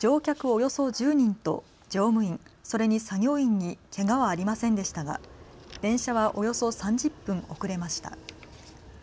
およそ１０人と乗務員、それに作業員にけがはありませんでしたが電車はおよそ３０分遅れました。